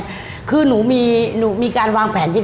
ถ้าคุณลูกมีความวางแผนดี